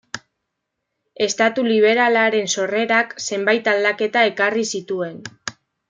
Estatu liberalaren sorrerak zenbait aldaketa ekarri zituen.